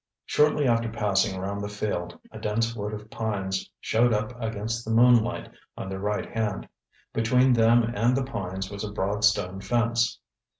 Shortly after passing round the field, a dense wood of pines showed up against the moonlight on their right hand. Between them and the pines was a broad stone fence.